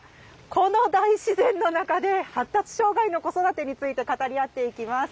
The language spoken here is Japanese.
この大自然の中で発達障害の子育てについて語り合っていきます。